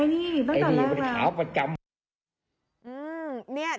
ไอ้นี่ตั้งแต่แรกแล้ว